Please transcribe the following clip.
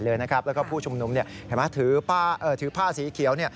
และผู้ชุมนุมถือผ้าสีเขียว